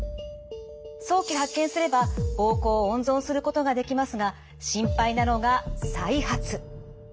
早期発見すれば膀胱を温存することができますが心配なのが再発。